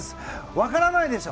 分からないでしょ。